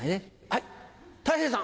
はい。